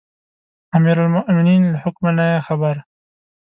امیرالمؤمنین له حکمه نه یې خبره.